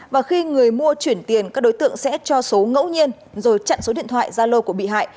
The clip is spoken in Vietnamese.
và khi người mua chuyển tiền các đối tượng sẽ cho số ngẫu nhiên rồi chặn số điện thoại gia lô của bị hại